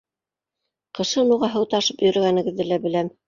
Ҡышын уға һыу ташып йөрөгәнегеҙҙе лә беләм.